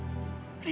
risau ayah kau ini